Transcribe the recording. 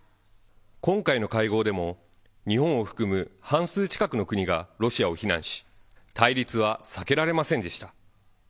今回の会合でも、日本を含む半数近くの国がロシアを非難し、対立は避けられませんでした。